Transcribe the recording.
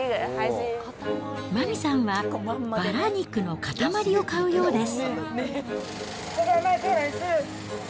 麻美さんはバラ肉の塊を買うようです。